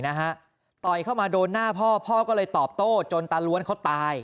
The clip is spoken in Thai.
ต่อยเข้ามาโดนหน้าพ่อพ่อก็เลยตอบโต้จนตาล้วนเขาตาย